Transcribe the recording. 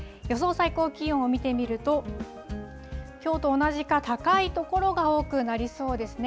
最高気温を見てみると、きょうと同じか高い所が多くなりそうですね。